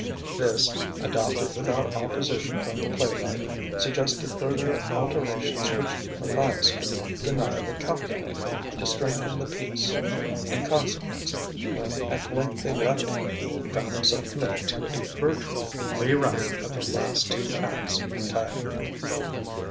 This, adopted without opposition from the playwright, suggested further alterations which Matthias could not deny were calculated to strengthen the piece. In consequence, when at length they left him, he found himself committed to a virtual rewriting of the last two acts entire.